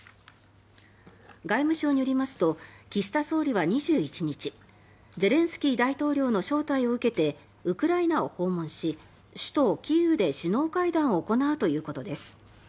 外務省によりますと岸田総理は２１日ゼレンスキー大統領の招待を受けてウクライナを訪問し首都キーウで首脳会談を行うということです。